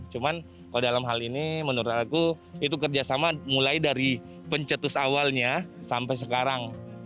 cuma kalau dalam hal ini menurut aku itu kerjasama mulai dari pencetus awalnya sampai sekarang